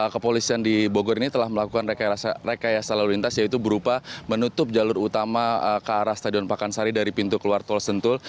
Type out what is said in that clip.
kepolisian di bogor ini telah melakukan rekayasa lalu lintas yaitu berupa menutup jalur utama ke arah stadion pakansari dari pintu keluar tol sentul